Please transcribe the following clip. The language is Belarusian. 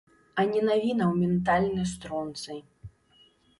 А не навінаў ментальны стронцый!